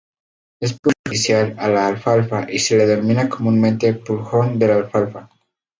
Es perjudicial a la alfalfa y se le denomina comúnmente pulgón de la alfalfa.